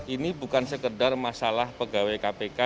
ini bukan sekedar masalah pegawai kpk